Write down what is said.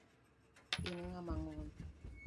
In ing'ama ngwon.